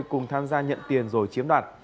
cùng tham gia nhận tiền rồi chiếm đoạt